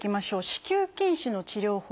子宮筋腫の治療法。